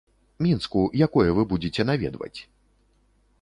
Мінску, якое вы будзеце наведваць?